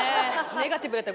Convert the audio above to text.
ネガティブやった。